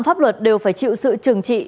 pháp luật đều phải chịu sự trừng trị